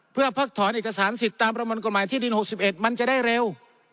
เพื่อเพิกถอนเอกสารสิทธิ์ตามประมวลกฎหมายที่ดิน๖๑มันจะได้เร็ว